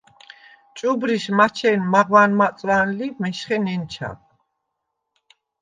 ჭუბრიშ მაჩენ მაღვან-მაწვან ლი მეშხე ნენჩა.